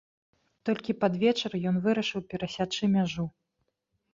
Толькі пад вечар ён вырашыў перасячы мяжу.